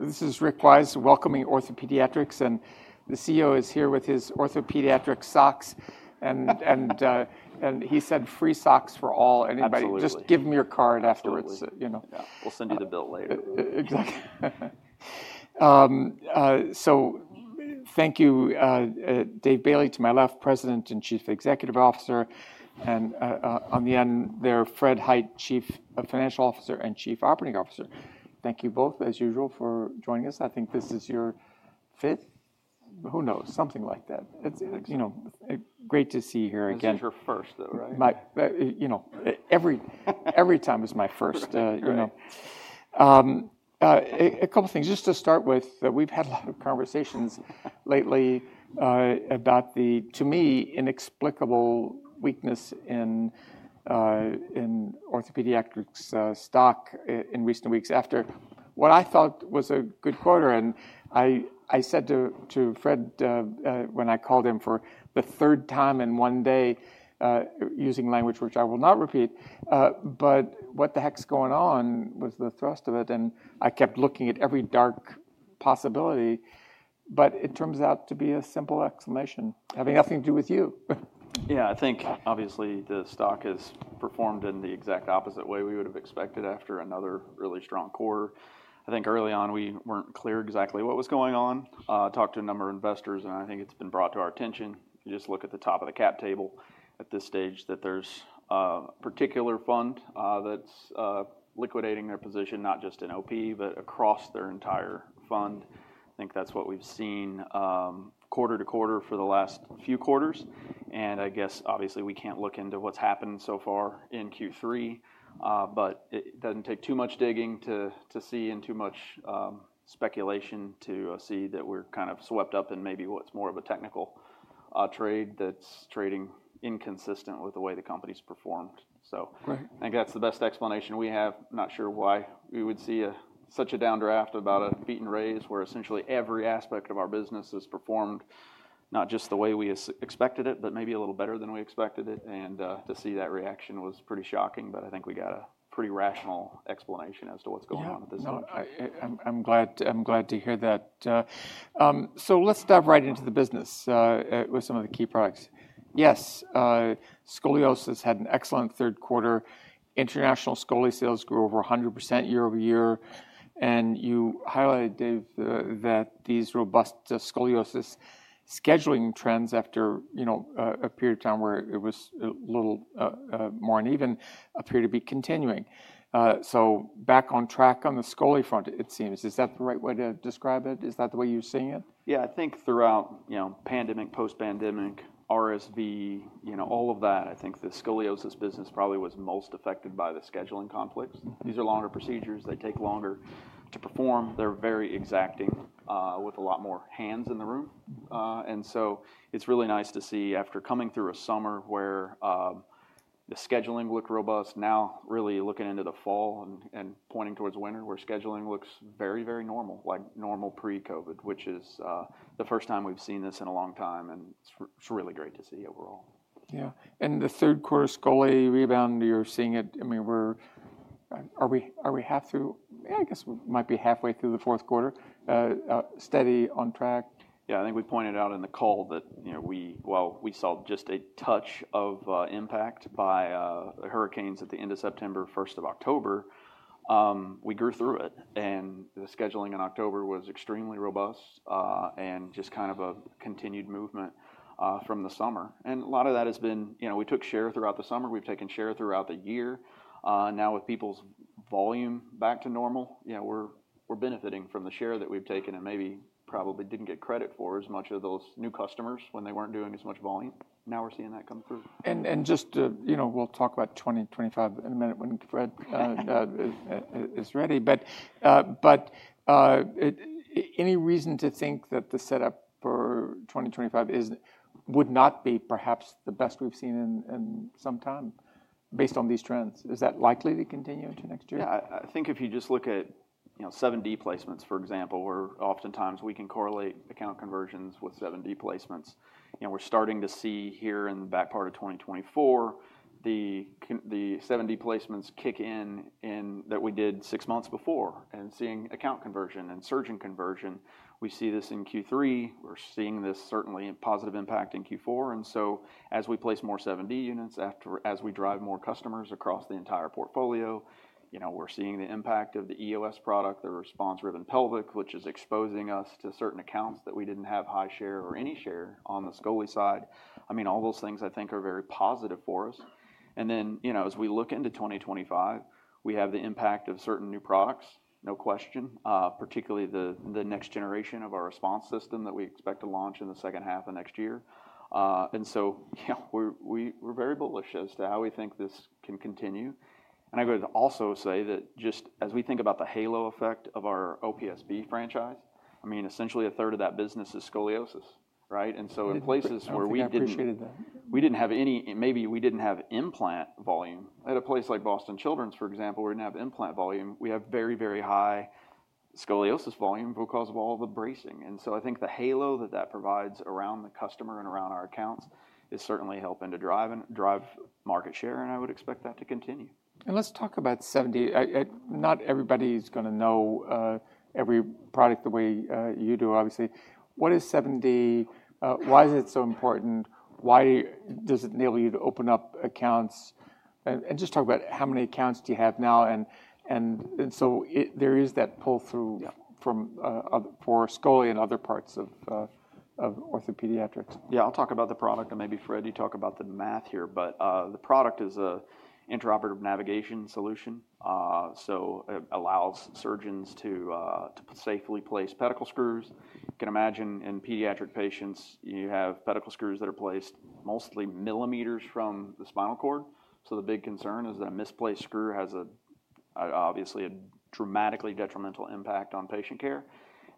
This is Rick Wise, welcoming OrthoPediatrics, and the CEO is here with his OrthoPediatric socks. And he said, "Free socks for all. Absolutely. Just give him your card afterwards. We'll send you the bill later. Exactly. So thank you, Dave Bailey, to my left, President and Chief Executive Officer. And on the end there, Fred Hite, Chief Financial Officer and Chief Operating Officer. Thank you both, as usual, for joining us. I think this is your fifth? Who knows, something like that. It's great to see you here again. This is your first, though, right? You know, every time is my first. A couple of things. Just to start with, we've had a lot of conversations lately about the, to me, inexplicable weakness in OrthoPediatrics stock in recent weeks after what I thought was a good quarter. And I said to Fred, when I called him for the third time in one day, using language which I will not repeat, "But what the heck's going on?" was the thrust of it. And I kept looking at every dark possibility. But it turns out to be a simple explanation, having nothing to do with you. Yeah, I think, obviously, the stock has performed in the exact opposite way we would have expected after another really strong quarter. I think early on we weren't clear exactly what was going on. I talked to a number of investors, and I think it's been brought to our attention. You just look at the top of the cap table at this stage that there's a particular fund that's liquidating their position, not just in OP, but across their entire fund. I think that's what we've seen quarter to quarter for the last few quarters. And I guess, obviously, we can't look into what's happened so far in Q3, but it doesn't take too much digging to see and too much speculation to see that we're kind of swept up in maybe what's more of a technical trade that's trading inconsistent with the way the company's performed. So I think that's the best explanation we have. I'm not sure why we would see such a down draft about a beat and raise where essentially every aspect of our business has performed not just the way we expected it, but maybe a little better than we expected it. And to see that reaction was pretty shocking. But I think we got a pretty rational explanation as to what's going on at this time. I'm glad to hear that. So let's dive right into the business with some of the key products. Yes, Scoliosis had an excellent third quarter. International Scoli sales grew over 100% year over year. And you highlighted, Dave, that these robust Scoliosis scheduling trends after a period of time where it was a little more uneven appear to be continuing. So back on track on the Scoli front, it seems. Is that the right way to describe it? Is that the way you're seeing it? Yeah, I think throughout pandemic, post-pandemic, RSV, all of that, I think the Scoliosis business probably was most affected by the scheduling conflicts. These are longer procedures. They take longer to perform. They're very exacting with a lot more hands in the room. And so it's really nice to see after coming through a summer where the scheduling looked robust, now really looking into the fall and pointing towards winter where scheduling looks very, very normal, like normal pre-COVID, which is the first time we've seen this in a long time. And it's really great to see overall. Yeah, and the Q3 Scoli rebound, you're seeing it. I mean, are we half through? Yeah, I guess it might be halfway through the Q4, steady on track? Yeah, I think we pointed out in the call that while we saw just a touch of impact by hurricanes at the end of September, 1st of October, we grew through it, and the scheduling in October was extremely robust and just kind of a continued movement from the summer, and a lot of that has been, you know, we took share throughout the summer. We've taken share throughout the year. Now with people's volume back to normal, we're benefiting from the share that we've taken and maybe probably didn't get credit for as much of those new customers when they weren't doing as much volume. Now we're seeing that come through. And just we'll talk about 2025 in a minute when Fred is ready. But any reason to think that the setup for 2025 would not be perhaps the best we've seen in some time based on these trends? Is that likely to continue into next year? Yeah, I think if you just look at 7D placements, for example, where oftentimes we can correlate account conversions with 7D placements. We're starting to see here in the back part of 2024, the 7D placements kick in that we did six months before and seeing account conversion and surge in conversion. We see this in Q3. We're seeing this certainly in positive impact in Q4. And so as we place more 7D units, as we drive more customers across the entire portfolio, we're seeing the impact of the EOS product, the RESPONSE-driven pelvic, which is exposing us to certain accounts that we didn't have high share or any share on the scoli side. I mean, all those things I think are very positive for us. And then as we look into 2025, we have the impact of certain new products, no question, particularly the next generation of our RESPONSE system that we expect to launch in the second half of next year. And so we're very bullish as to how we think this can continue. And I would also say that just as we think about the halo effect of our OPSB franchise, I mean, essentially a third of that business is scoliosis, right? And so in places where we didn't have any, maybe we didn't have implant volume. At a place like Boston Children's, for example, we didn't have implant volume. We have very, very high scoliosis volume because of all the bracing. And so I think the halo that that provides around the customer and around our accounts is certainly helping to drive market share. And I would expect that to continue. And let's talk about 7D. Not everybody's going to know every product the way you do, obviously. What is 7D? Why is it so important? Why does it enable you to open up accounts? And just talk about how many accounts do you have now? And so there is that pull-through for Scoli and other parts of OrthoPediatrics. Yeah, I'll talk about the product, and maybe Fred, you talk about the math here, but the product is an intraoperative navigation solution, so it allows surgeons to safely place pedicle screws. You can imagine in pediatric patients, you have pedicle screws that are placed mostly millimeters from the spinal cord. So the big concern is that a misplaced screw has obviously a dramatically detrimental impact on patient care,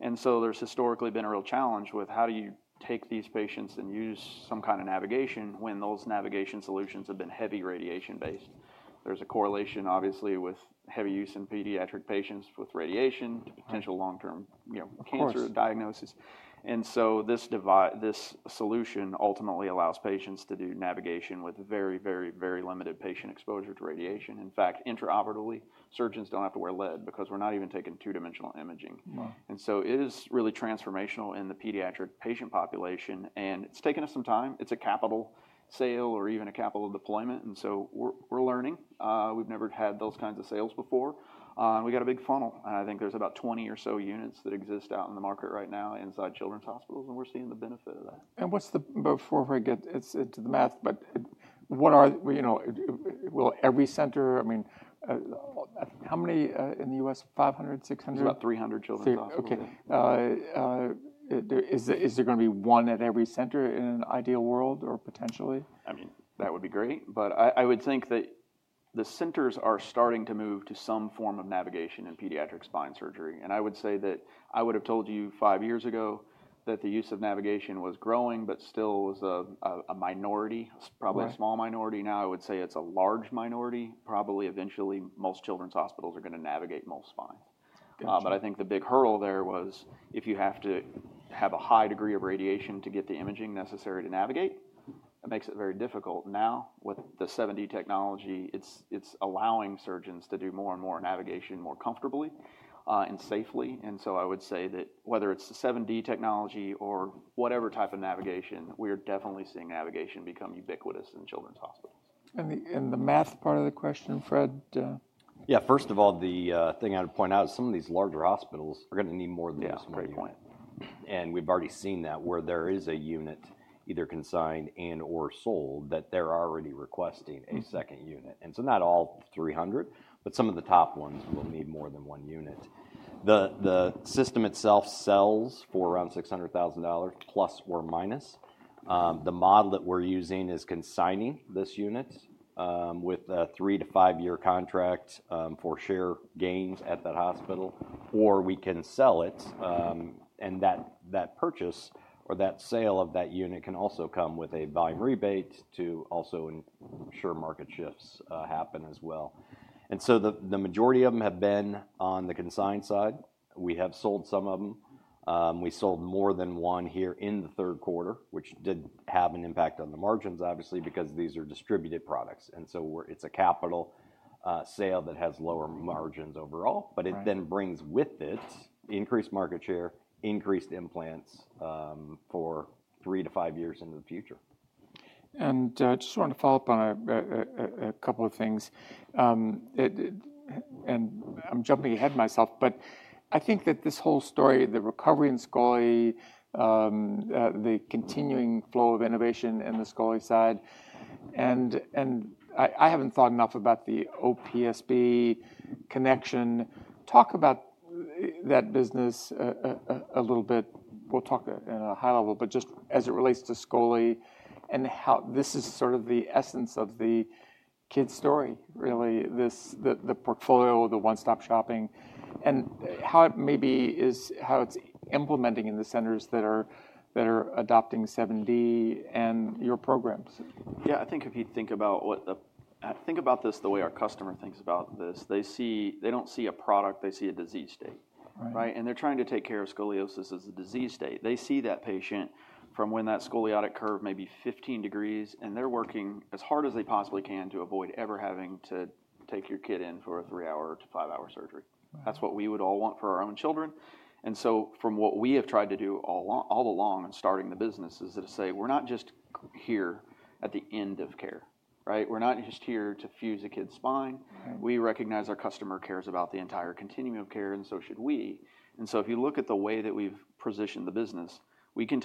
and so there's historically been a real challenge with how do you take these patients and use some kind of navigation when those navigation solutions have been heavy radiation-based. There's a correlation, obviously, with heavy use in pediatric patients with radiation to potential long-term cancer diagnosis, and so this solution ultimately allows patients to do navigation with very, very, very limited patient exposure to radiation. In fact, intraoperatively, surgeons don't have to wear lead because we're not even taking two-dimensional imaging. And so it is really transformational in the pediatric patient population. And it's taken us some time. It's a capital sale or even a capital deployment. And so we're learning. We've never had those kinds of sales before. We got a big funnel. And I think there's about 20 or so units that exist out in the market right now inside children's hospitals. And we're seeing the benefit of that. And before I get into the math, but will every center, I mean, how many in the US? 500-600? About 300 children's hospitals. Okay. Is there going to be one at every center in an ideal world or potentially? I mean, that would be great, but I would think that the centers are starting to move to some form of navigation in pediatric spine surgery, and I would say that I would have told you five years ago that the use of navigation was growing, but still was a minority, probably a small minority. Now I would say it's a large minority. Probably eventually most children's hospitals are going to navigate most spines, but I think the big hurdle there was if you have to have a high degree of radiation to get the imaging necessary to navigate, it makes it very difficult. Now with the 7D technology, it's allowing surgeons to do more and more navigation more comfortably and safely, and so I would say that whether it's the 7D technology or whatever type of navigation, we are definitely seeing navigation become ubiquitous in children's hospitals. The math part of the question, Fred? Yeah, first of all, the thing I'd point out is some of these larger hospitals are going to need more than just one unit. And we've already seen that where there is a unit either consigned and/or sold, that they're already requesting a second unit. And so not all 300, but some of the top ones will need more than one unit. The system itself sells for around $600,000 plus or minus. The model that we're using is consigning this unit with a three to five-year contract for share gains at that hospital. Or we can sell it. And that purchase or that sale of that unit can also come with a volume rebate to also ensure market shifts happen as well. And so the majority of them have been on the consigned side. We have sold some of them. We sold more than one here in the Q3, which did have an impact on the margins, obviously, because these are distributed products, and so it's a capital sale that has lower margins overall, but it then brings with it increased market share, increased implants for three to five years into the future. I just want to follow up on a couple of things. I'm jumping ahead myself, but I think that this whole story, the recovery in Scoli, the continuing flow of innovation in the Scoli side. I haven't thought enough about the OPSB connection. Talk about that business a little bit. We'll talk in a high level, but just as it relates to Scoli and how this is sort of the essence of the kid story, really, the portfolio, the one-stop shopping, and how it maybe is how it's implementing in the centers that are adopting 7D and your programs. Yeah, I think if you think about this the way our customer thinks about this, they don't see a product. They see a disease state, right? And they're trying to take care of scoliosis as a disease state. They see that patient from when that scoliotic curve may be 15 degrees, and they're working as hard as they possibly can to avoid ever having to take your kid in for a three-hour to five-hour surgery. That's what we would all want for our own children. And so from what we have tried to do all along and starting the business is to say, we're not just here at the end of care, right? We're not just here to fuse a kid's spine. We recognize our customer cares about the entire continuum of care, and so should we. And so if you look at the way that we've positioned the business, we can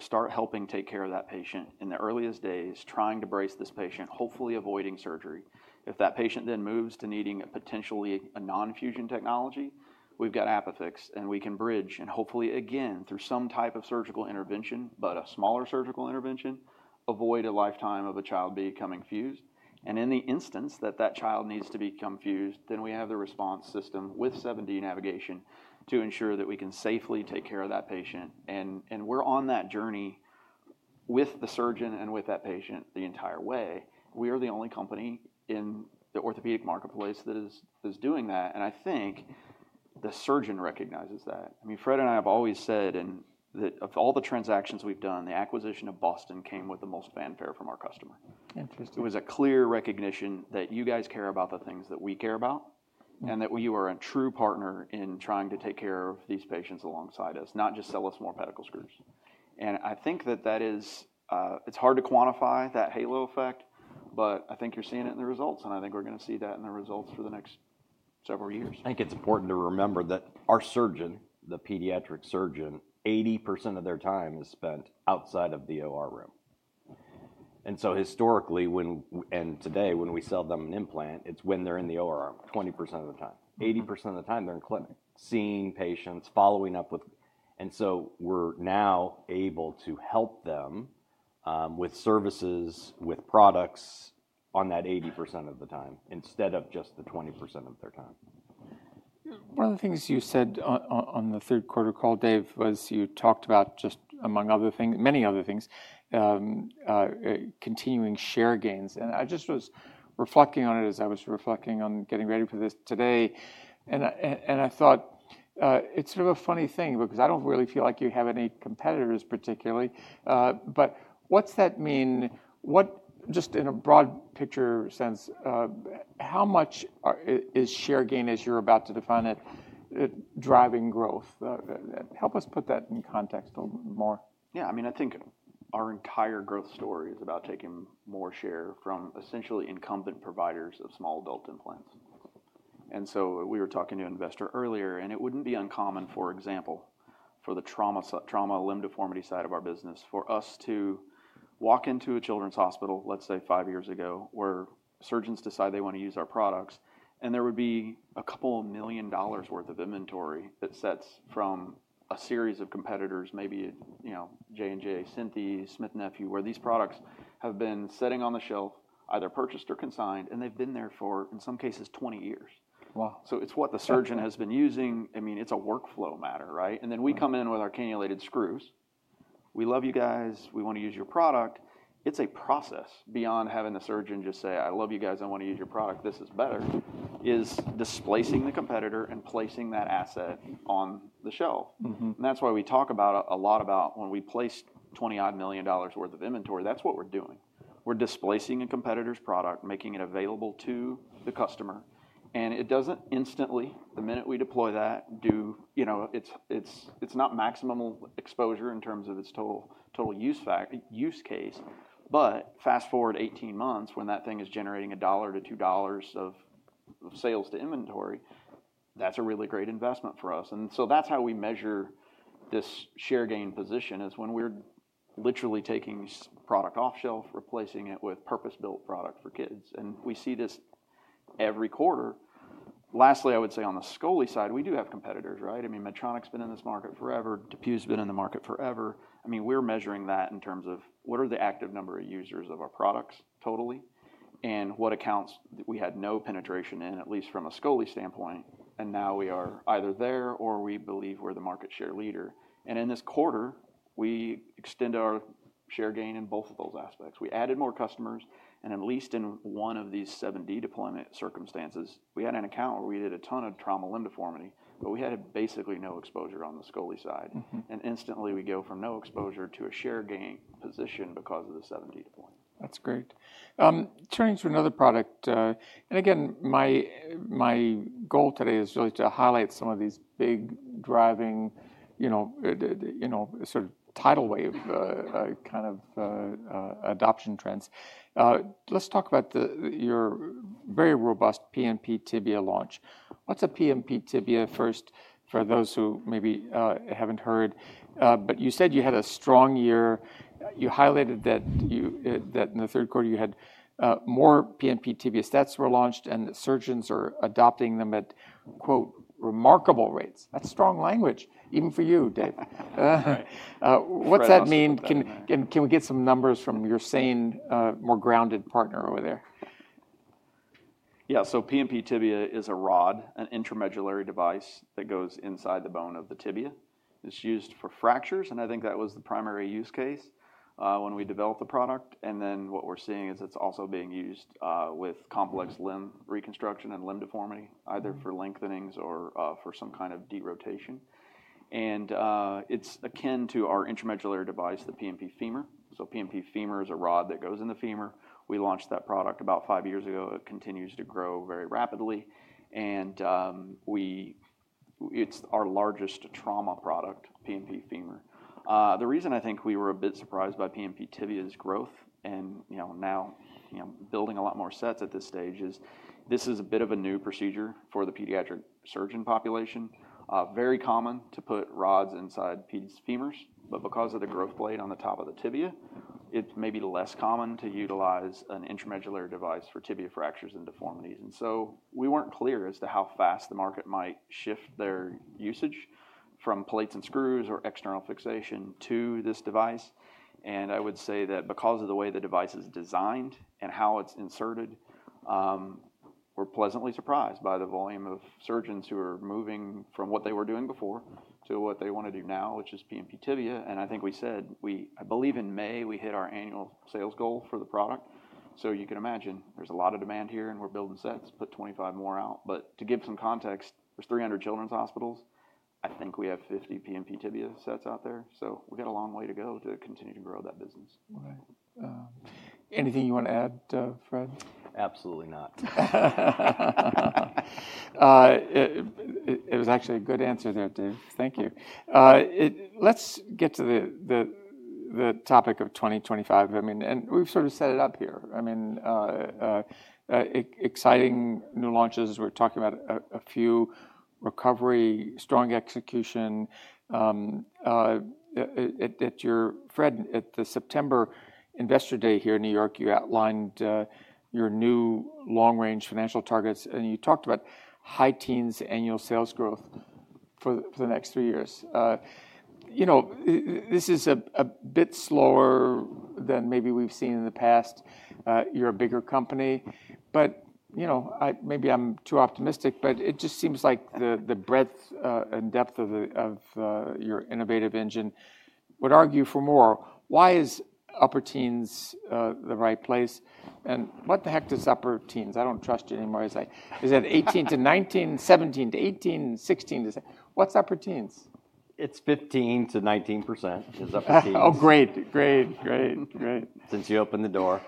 start helping take care of that patient in the earliest days, trying to brace this patient, hopefully avoiding surgery. If that patient then moves to needing potentially a non-fusion technology, we've got ApiFix, and we can bridge and hopefully again through some type of surgical intervention, but a smaller surgical intervention, avoid a lifetime of a child becoming fused. And in the instance that that child needs to become fused, then we have the RESPONSE system with 7D navigation to ensure that we can safely take care of that patient. And we're on that journey with the surgeon and with that patient the entire way. We are the only company in the orthopedic marketplace that is doing that. And I think the surgeon recognizes that. I mean, Fred and I have always said that of all the transactions we've done, the acquisition of Boston came with the most fanfare from our customer. It was a clear recognition that you guys care about the things that we care about and that you are a true partner in trying to take care of these patients alongside us, not just sell us more pedicle screws. And I think that that is, it's hard to quantify that halo effect, but I think you're seeing it in the results. And I think we're going to see that in the results for the next several years. I think it's important to remember that our surgeon, the pediatric surgeon, 80% of their time is spent outside of the OR room. And so historically, and today when we sell them an implant, it's when they're in the OR room, 20% of the time. 80% of the time they're in clinic, seeing patients, following up with. And so we're now able to help them with services, with products on that 80% of the time instead of just the 20% of their time. One of the things you said on the Q3 call, Dave, was you talked about just among other things, many other things, continuing share gains. And I just was reflecting on it as I was reflecting on getting ready for this today. And I thought it's sort of a funny thing because I don't really feel like you have any competitors particularly. But what's that mean? Just in a broad picture sense, how much is share gain, as you're about to define it, driving growth? Help us put that in context a little bit more. Yeah, I mean, I think our entire growth story is about taking more share from essentially incumbent providers of small adult implants. And so we were talking to an investor earlier, and it wouldn't be uncommon, for example, for the trauma, limb deformity side of our business, for us to walk into a children's hospital, let's say five years ago, where surgeons decide they want to use our products, and there would be $2 million worth of inventory that sets from a series of competitors, maybe J&J, Synthes, Smith & Nephew, where these products have been sitting on the shelf, either purchased or consigned, and they've been there for, in some cases, 20 years. So it's what the surgeon has been using. I mean, it's a workflow matter, right? And then we come in with our cannulated screws. We love you guys. We want to use your product. It's a process beyond having the surgeon just say, "I love you guys. I want to use your product. This is better," is displacing the competitor and placing that asset on the shelf. And that's why we talk a lot about when we place $20 million worth of inventory, that's what we're doing. We're displacing a competitor's product, making it available to the customer. And it doesn't instantly, the minute we deploy that, it's not maximum exposure in terms of its total use case. But fast forward 18 months when that thing is generating a dollar to $2 of sales to inventory, that's a really great investment for us. And so that's how we measure this share gain position is when we're literally taking product off shelf, replacing it with purpose-built product for kids. And we see this every quarter. Lastly, I would say on the Scoli side, we do have competitors, right? I mean, Medtronic's been in this market forever. DePuy's been in the market forever. I mean, we're measuring that in terms of what are the active number of users of our products totally and what accounts we had no penetration in, at least from a Scoli standpoint, and now we are either there or we believe we're the market share leader. And in this quarter, we extended our share gain in both of those aspects. We added more customers, and at least in one of these 7D deployment circumstances, we had an account where we did a ton of trauma limb deformity, but we had basically no exposure on the Scoli side, and instantly we go from no exposure to a share gain position because of the 7D deployment. That's great. Turning to another product. And again, my goal today is really to highlight some of these big driving sort of tidal wave kind of adoption trends. Let's talk about your very robust PNP Tibia launch. What's a PNP Tibia first for those who maybe haven't heard? But you said you had a strong year. You highlighted that in the Q3, you had more PNP Tibia sets were launched and surgeons are adopting them at "remarkable rates." That's strong language, even for you, Dave. What's that mean? Can we get some numbers from your saner more grounded partner over there? Yeah, so PNP Tibia is a rod, an intramedullary device that goes inside the bone of the tibia. It's used for fractures. And I think that was the primary use case when we developed the product. And then what we're seeing is it's also being used with complex limb reconstruction and limb deformity, either for lengthenings or for some kind of derotation. And it's akin to our intramedullary device, the PNP Femur. So PNP Femur is a rod that goes in the femur. We launched that product about five years ago. It continues to grow very rapidly. And it's our largest trauma product, PNP Femur. The reason I think we were a bit surprised by PNP Tibia's growth and now building a lot more sets at this stage is this is a bit of a new procedure for the pediatric surgeon population. very common to put rods inside femurs, but because of the growth plate on the top of the tibia, it's maybe less common to utilize an intramedullary device for tibia fractures and deformities. And so we weren't clear as to how fast the market might shift their usage from plates and screws or external fixation to this device. And I would say that because of the way the device is designed and how it's inserted, we're pleasantly surprised by the volume of surgeons who are moving from what they were doing before to what they want to do now, which is PNP Tibia. And I think we said, I believe in May, we hit our annual sales goal for the product. So you can imagine there's a lot of demand here and we're building sets, put 25 more out. But to give some context, there's 300 children's hospitals. I think we have 50 PNP Tibia sets out there. So we've got a long way to go to continue to grow that business. Anything you want to add, Fred? Absolutely not. It was actually a good answer there, Dave. Thank you. Let's get to the topic of 2025. I mean, and we've sort of set it up here. I mean, exciting new launches. We're talking about a full recovery, strong execution. Fred, at the September Investor Day here in New York, you outlined your new long-range financial targets. And you talked about high teens annual sales growth for the next three years. This is a bit slower than maybe we've seen in the past. You're a bigger company. But maybe I'm too optimistic, but it just seems like the breadth and depth of your innovative engine would argue for more. Why is upper teens the right place? And what the heck does upper teens? I don't trust you anymore. Is that 18 to 19, 17 to 18, 16 to 17? What's upper teens? It's 15%-19% is upper teens. Oh, great, great, great, great. Since you opened the door.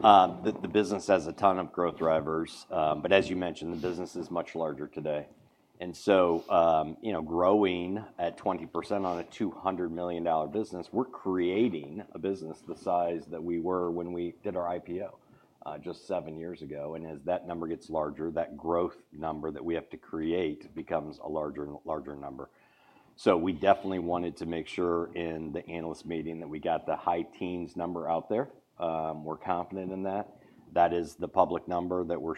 The business has a ton of growth drivers. But as you mentioned, the business is much larger today. And so growing at 20% on a $200 million business, we're creating a business the size that we were when we did our IPO just seven years ago. And as that number gets larger, that growth number that we have to create becomes a larger and larger number. So we definitely wanted to make sure in the analyst meeting that we got the high teens number out there. We're confident in that. That is the public number that we're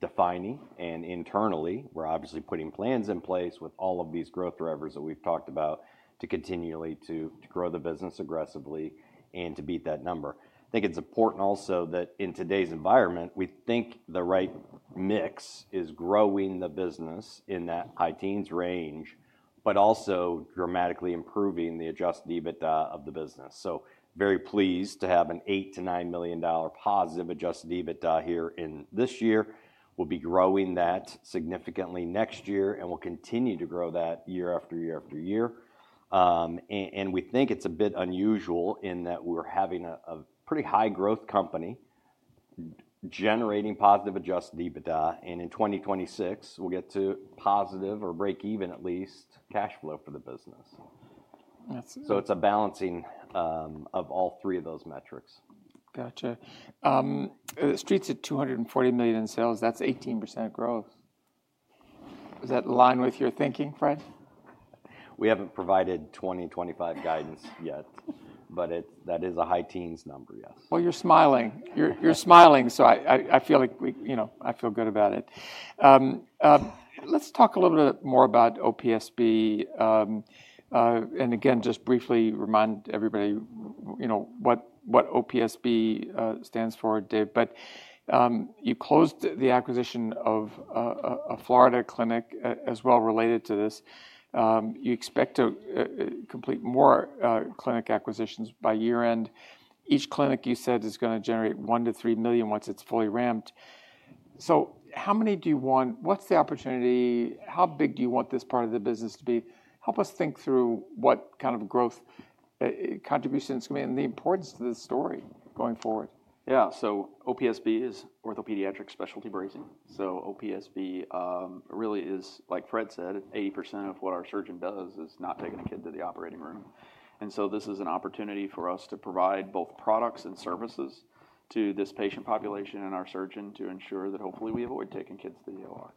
defining. And internally, we're obviously putting plans in place with all of these growth drivers that we've talked about to continually grow the business aggressively and to beat that number. I think it's important also that in today's environment, we think the right mix is growing the business in that high teens range, but also dramatically improving the Adjusted EBITDA of the business. We are very pleased to have an $8-$9 million positive Adjusted EBITDA here in this year. We'll be growing that significantly next year, and we'll continue to grow that year after year after year, and we think it's a bit unusual in that we're having a pretty high growth company generating positive Adjusted EBITDA. In 2026, we'll get to positive or break even at least cash flow for the business, so it's a balancing of all three of those metrics. Gotcha. Street's at $240 million in sales, that's 18% growth. Does that align with your thinking, Fred? We haven't provided 2025 guidance yet, but that is a high teens number, yes. You're smiling. You're smiling. So I feel like I feel good about it. Let's talk a little bit more about OPSB. And again, just briefly remind everybody what OPSB stands for, Dave. But you closed the acquisition of a Florida clinic as well related to this. You expect to complete more clinic acquisitions by year-end. Each clinic, you said, is going to generate $1-$3 million once it's fully ramped. So how many do you want? What's the opportunity? How big do you want this part of the business to be? Help us think through what kind of growth contributions can be and the importance to this story going forward. Yeah. So OPSB is OrthoPediatrics Specialty Bracing. So OPSB really is, like Fred said, 80% of what our surgeon does is not taking a kid to the operating room. And so this is an opportunity for us to provide both products and services to this patient population and our surgeon to ensure that hopefully we avoid taking kids to the OR.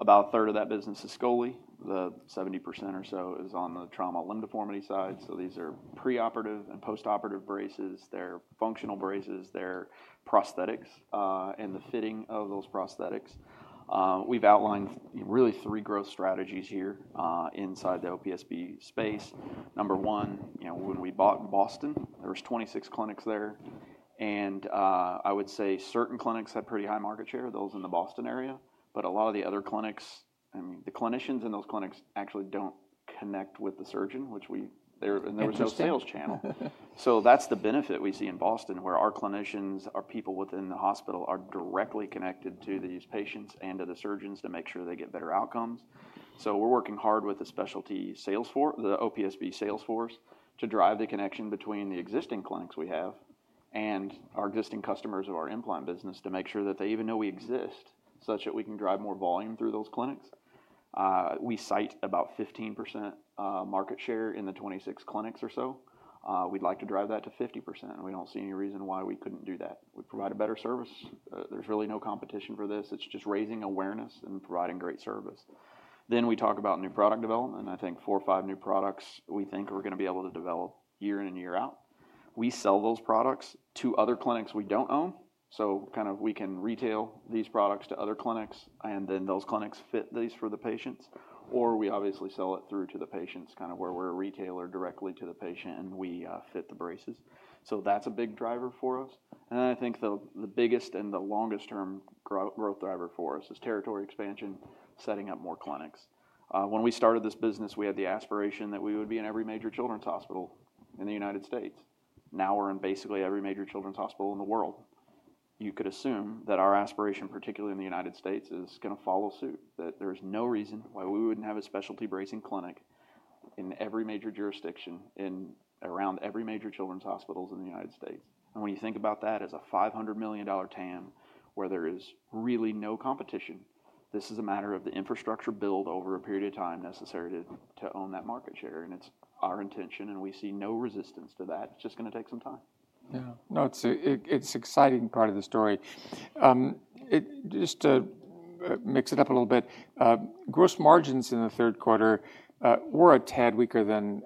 About a third of that business is scoliosis. The 70% or so is on the trauma limb deformity side. So these are preoperative and postoperative braces. They're functional braces. They're prosthetics and the fitting of those prosthetics. We've outlined really three growth strategies here inside the OPSB space. Number one, when we bought in Boston, there were 26 clinics there. And I would say certain clinics had pretty high market share, those in the Boston area. But a lot of the other clinics, I mean, the clinicians in those clinics actually don't connect with the surgeon, which there was no sales channel. So that's the benefit we see in Boston where our clinicians, our people within the hospital are directly connected to these patients and to the surgeons to make sure they get better outcomes. So we're working hard with the specialty sales force, the OPSB sales force to drive the connection between the existing clinics we have and our existing customers of our implant business to make sure that they even know we exist such that we can drive more volume through those clinics. We cite about 15% market share in the 26 clinics or so. We'd like to drive that to 50%. We don't see any reason why we couldn't do that. We provide a better service. There's really no competition for this. It's just raising awareness and providing great service. Then we talk about new product development. I think four or five new products we think we're going to be able to develop year in and year out. We sell those products to other clinics we don't own. So kind of we can retail these products to other clinics and then those clinics fit these for the patients. Or we obviously sell it through to the patients kind of where we're a retailer directly to the patient and we fit the braces. So that's a big driver for us. And I think the biggest and the longest-term growth driver for us is territory expansion, setting up more clinics. When we started this business, we had the aspiration that we would be in every major children's hospital in the United States. Now we're in basically every major children's hospital in the world. You could assume that our aspiration, particularly in the United States, is going to follow suit. There's no reason why we wouldn't have a specialty bracing clinic in every major jurisdiction and around every major children's hospitals in the United States. And when you think about that as a $500 million TAM where there is really no competition, this is a matter of the infrastructure build over a period of time necessary to own that market share. And it's our intention and we see no resistance to that. It's just going to take some time. Yeah. No, it's an exciting part of the story. Just to mix it up a little bit, gross margins in the Q3 were a tad weaker than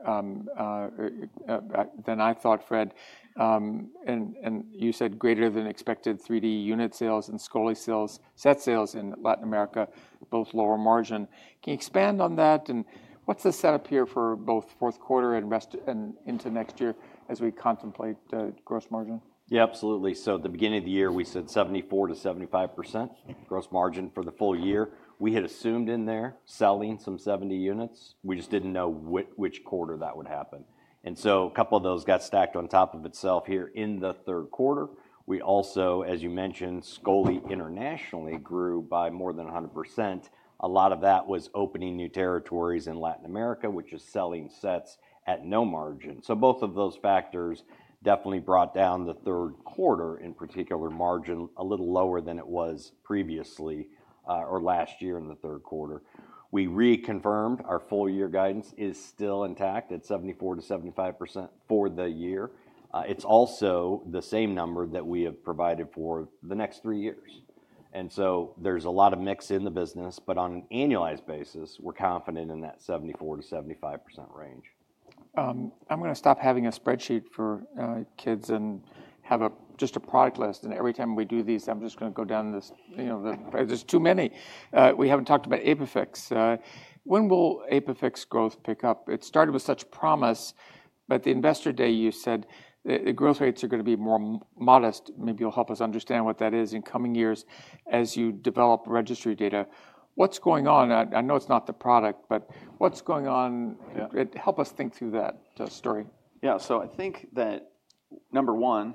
I thought, Fred. And you said greater than expected P3 unit sales and scoli set sales in Latin America, both lower margin. Can you expand on that? And what's the setup here for both Q4 and into next year as we contemplate gross margin? Yeah, absolutely. So at the beginning of the year, we said 74%-75% gross margin for the full year. We had assumed in there selling some 70 units. We just didn't know which quarter that would happen. And so a couple of those got stacked on top of itself here in the Q3. We also, as you mentioned, Scoli internationally grew by more than 100%. A lot of that was opening new territories in Latin America, which is selling sets at no margin. So both of those factors definitely brought down the Q3 in particular margin a little lower than it was previously or last year in the Q3. We reconfirmed our full year guidance is still intact at 74%-75% for the year. It's also the same number that we have provided for the next three years. There's a lot of mix in the business, but on an annualized basis, we're confident in that 74%-75% range. I'm going to stop having a spreadsheet for kids and have just a product list. And every time we do these, I'm just going to go down this. There's too many. We haven't talked about ApiFix. When will ApiFix growth pick up? It started with such promise, but the Investor Day, you said the growth rates are going to be more modest. Maybe you'll help us understand what that is in coming years as you develop registry data. What's going on? I know it's not the product, but what's going on? Help us think through that story. Yeah. So I think that number one,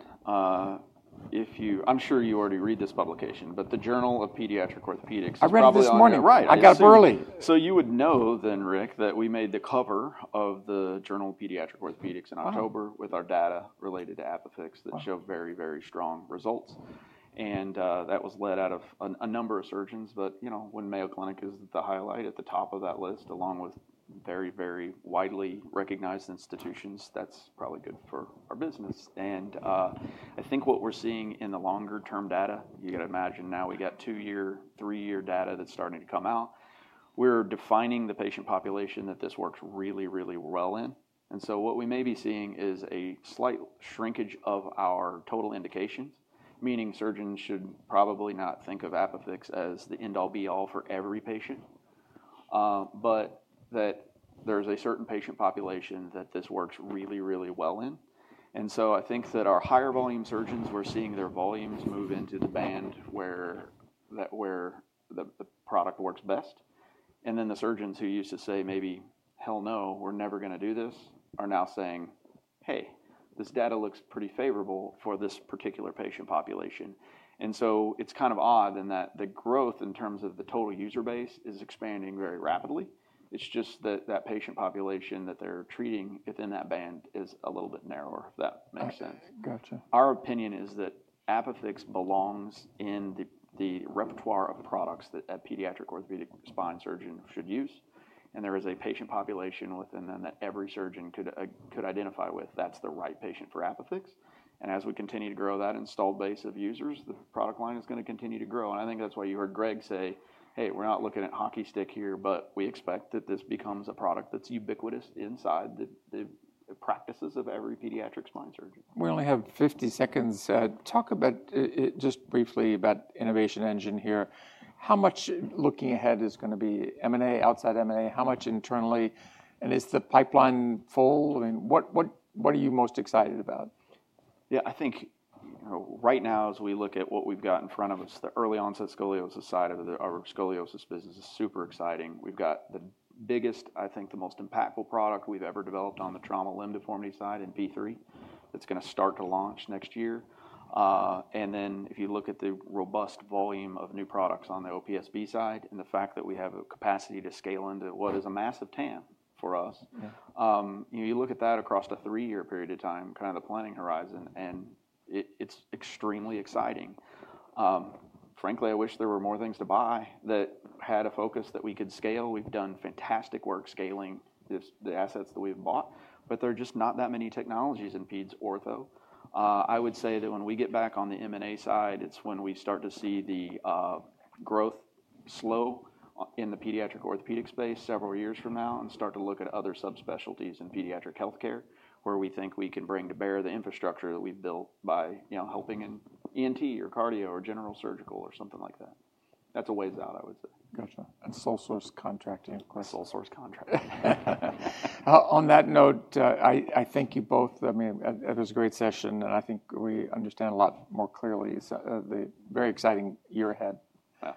if you're sure you already read this publication, but the Journal of Pediatric Orthopedics. I read it this morning. Right. I got up early. So you would know then, Rick, that we made the cover of the Journal of Pediatric Orthopedics in October with our data related to ApiFix that showed very, very strong results. And that was led out of a number of surgeons. But when Mayo Clinic is the highlight at the top of that list, along with very, very widely recognized institutions, that's probably good for our business. And I think what we're seeing in the longer-term data, you got to imagine now we got two-year, three-year data that's starting to come out. We're defining the patient population that this works really, really well in. And so what we may be seeing is a slight shrinkage of our total indications, meaning surgeons should probably not think of ApiFix as the end-all, be-all for every patient, but that there's a certain patient population that this works really, really well in. And so I think that our higher volume surgeons, we're seeing their volumes move into the band where the product works best. And then the surgeons who used to say maybe, "Hell no, we're never going to do this," are now saying, "Hey, this data looks pretty favorable for this particular patient population." And so it's kind of odd in that the growth in terms of the total user base is expanding very rapidly. It's just that that patient population that they're treating within that band is a little bit narrower, if that makes sense. Gotcha. Our opinion is that ApiFix belongs in the repertoire of products that a pediatric orthopedic spine surgeon should use. And there is a patient population within them that every surgeon could identify with. That's the right patient for ApiFix. And as we continue to grow that installed base of users, the product line is going to continue to grow. And I think that's why you heard Greg say, "Hey, we're not looking at hockey stick here, but we expect that this becomes a product that's ubiquitous inside the practices of every pediatric spine surgeon. We only have 50 seconds. Talk just briefly about innovation engine here. How much looking ahead is going to be M&A, outside M&A? How much internally? And is the pipeline full? I mean, what are you most excited about? Yeah, I think right now, as we look at what we've got in front of us, the early onset scoliosis side of our scoliosis business is super exciting. We've got the biggest, I think the most impactful product we've ever developed on the trauma limb deformity side in P3 that's going to start to launch next year. And then if you look at the robust volume of new products on the OPSB side and the fact that we have a capacity to scale into what is a massive TAM for us, you look at that across a three-year period of time, kind of the planning horizon, and it's extremely exciting. Frankly, I wish there were more things to buy that had a focus that we could scale. We've done fantastic work scaling the assets that we've bought, but there are just not that many technologies in peds ortho. I would say that when we get back on the M&A side, it's when we start to see the growth slow in the pediatric orthopedic space several years from now and start to look at other subspecialties in pediatric healthcare where we think we can bring to bear the infrastructure that we've built by helping in ENT or cardio or general surgical or something like that. That's a ways out, I would say. Gotcha. And Sole source contracting, of course. Sole source contracting. On that note, I thank you both. I mean, it was a great session and I think we understand a lot more clearly. It's a very exciting year ahead.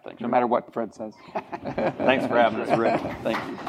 Thank you. No matter what Fred says. Thanks for having us, Rick. Thank you.